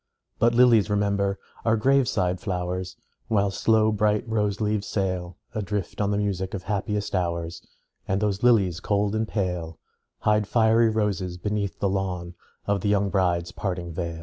But lilies, remember, are grave side flowers, While slow bright rose leaves sail Adrift on the music of happiest hours; And those lilies, cold and pale, Hide fiery roses beneath the lawn Of the young bride's parting veil.